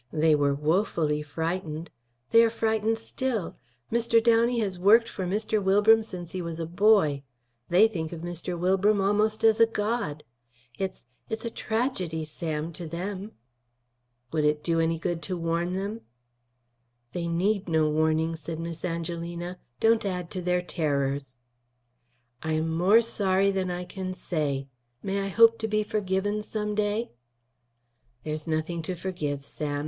They were woefully frightened. They are frightened still. Mr. Downey has worked for Mr. Wilbram since he was a boy. They think of Mr. Wilbram almost as a god. It's it's a tragedy, Sam, to them." "Would it do any good to warn them?" "They need no warning," said Miss Angelina. "Don't add to their terrors." "I am more sorry than I can say. May I hope to be forgiven some day?" "There's nothing to forgive, Sam.